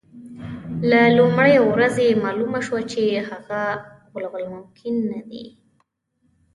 له لومړۍ ورځې معلومه شوه چې هغه غولول ممکن نه دي.